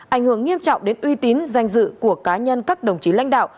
ảnh hưởng nghiêm trọng đến uy tín danh dự của cá nhân các đồng chí lãnh đạo